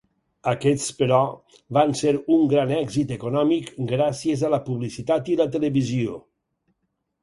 Aquests, però, van ser un gran èxit econòmic, gràcies a la publicitat i la televisió.